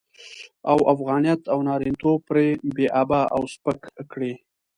او افغانيت او نارينه توب پرې بې آبه او سپک کړي.